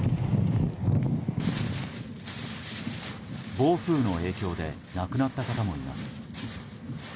暴風の影響で亡くなった方もいます。